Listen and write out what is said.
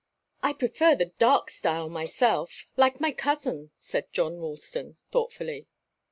"I prefer the dark style, myself like my cousin," said John Ralston, thoughtfully.